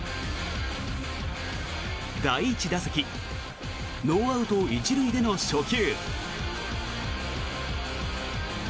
第１打席ノーアウト１塁での初球。